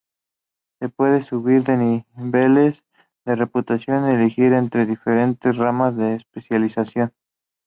Se puede subir de niveles de reputación y elegir entre diferentes ramas de especialización.